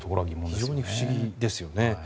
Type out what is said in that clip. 非常に不思議ですね。